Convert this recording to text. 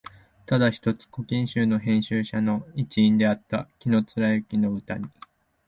ただ一つ「古今集」の編集者の一員であった紀貫之の歌に、